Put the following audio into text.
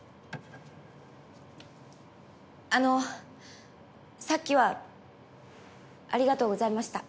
あのさっきはありがとうございました。